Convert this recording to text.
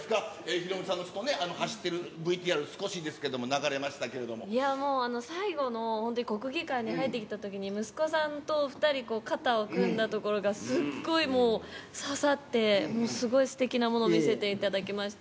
ヒロミさんのずっとね、走ってるＶＴＲ、少しですけども、流れまいや、もう最後の本当に国技館に入ってきたときに、息子さんと２人、肩を組んだところが、すごいもう刺さって、もうすごいすてきなものを見せていただきました。